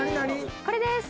これです